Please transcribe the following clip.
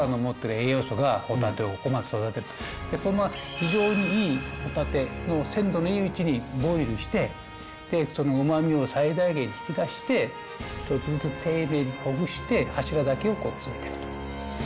非常にいいホタテの鮮度のいいうちにボイルしてその旨みを最大限に引き出して一つずつ丁寧にほぐして柱だけを詰めてると。